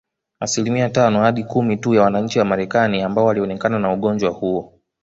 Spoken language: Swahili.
Asilimia tano hadi kumi tu ya wananchi wa Marekani ambao walionekana na ugonjwa huo